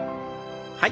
はい。